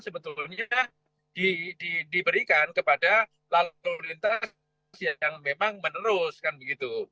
sebetulnya diberikan kepada lalu lintas yang memang menerus kan begitu